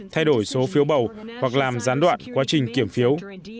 thay đổi số phiếu bầu hoặc làm gián đoạn quá trình kiểm phiếu